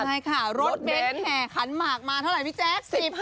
ใช่ไหมคะรถเบนแข่ขั้นมากมาเท่าไรพี่แจ๊ก